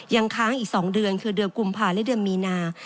ยังค้างอีก๒เดือนคือเดือนกุมภาและเดือนมีนา